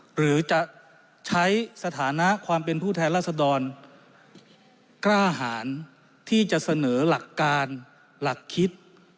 หรือจะใช้สถานะความเป็นผู้แทนรัศดรกล้าหารที่จะเสนอหลักการหลักคิด